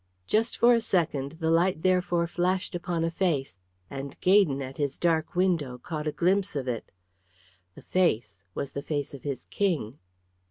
Just for a second the light therefore flashed upon a face, and Gaydon at his dark window caught a glimpse of it. The face was the face of his King.